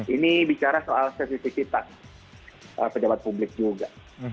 ini bicara soal sensitivitas pejabat publik juga